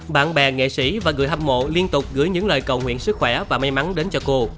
bạn bè nghệ sĩ và người hâm mộ liên tục gửi những lời cầu nguyện sức khỏe và may mắn đến cho cô